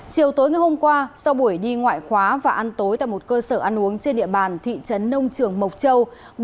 chiều tối ngày hôm qua sau buổi đi ngoại khóa và ăn tối tại một cơ sở ăn uống trên địa bàn thị trấn nông trường mộc châu